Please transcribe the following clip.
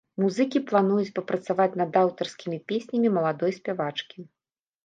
Музыкі плануюць папрацаваць над аўтарскімі песнямі маладой спявачкі.